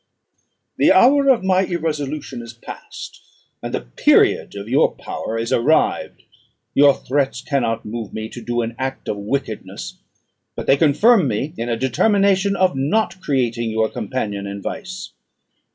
"The hour of my irresolution is past, and the period of your power is arrived. Your threats cannot move me to do an act of wickedness; but they confirm me in a determination of not creating you a companion in vice.